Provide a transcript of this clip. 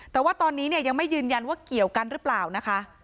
แต่ว่าตอนนี้เนี่ยยังไม่ยืนยันว่าเกี่ยวกันหรือเปล่านะคะ